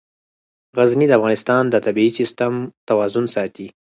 غزني د افغانستان د طبعي سیسټم توازن ساتي.